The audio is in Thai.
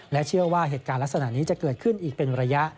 เชื่อว่าเหตุการณ์ลักษณะนี้จะเกิดขึ้นอีกเป็นระยะ